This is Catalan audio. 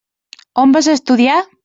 On vas estudiar?